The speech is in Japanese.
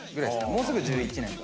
もうすぐ１１年で・